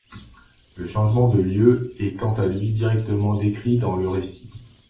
Le changement de lieu est quant à lui directement décrit dans le récit.